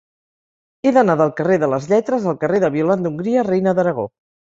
He d'anar del carrer de les Lletres al carrer de Violant d'Hongria Reina d'Aragó.